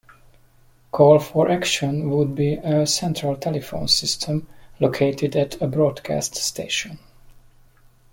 Call For Action would be a central telephone system located at a broadcast station.